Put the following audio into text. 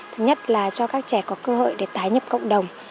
thứ nhất là cho các trẻ có cơ hội để tái nhập cộng đồng